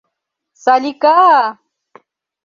Салика-а!